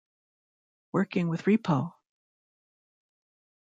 Working with Repo!